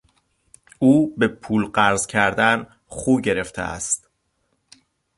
او به پول قرض کردن خو گرفته است.